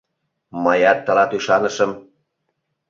Мыят тылат ӱшанышым...